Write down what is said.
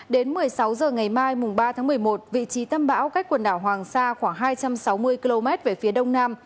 đến một mươi sáu h ngày mai mùng ba tháng một mươi một vị trí tâm bão cách quần đảo hoàng sa khoảng hai trăm sáu mươi km về phía đông nam